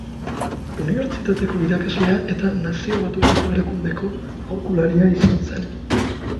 Unibertsitateko irakaslea eta Nazio Batuetako Erakundeko aholkularia izan zen.